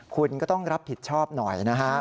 คุณก็ต้องรับผิดชอบหน่อยนะฮะ